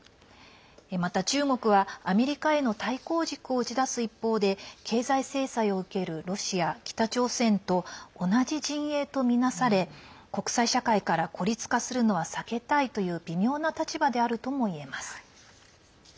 また、中国はアメリカへの対抗軸を打ち出す一方で経済制裁を受けるロシア、北朝鮮と同じ陣営とみなされ国際社会から孤立化するのは避けたいという微妙な立場であるともいえます。